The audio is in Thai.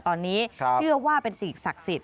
ตอนนี้เชื่อว่าเป็นสิ่งศักดิ์สิทธิ